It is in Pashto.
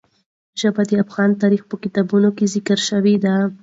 ژبې د افغان تاریخ په کتابونو کې ذکر شوی دي.